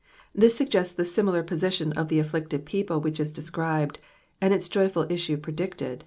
This suggests the similar position of (he afflicted people which is de scribed, and its joyful issue predided.